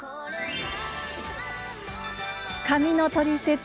髪のトリセツ。